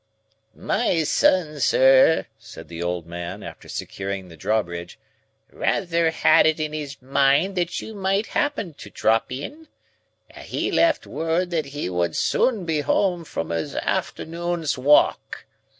"My son, sir," said the old man, after securing the drawbridge, "rather had it in his mind that you might happen to drop in, and he left word that he would soon be home from his afternoon's walk.